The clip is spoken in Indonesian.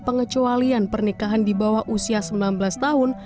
pengecualian pernikahan di bawah usia sembilan belas tahun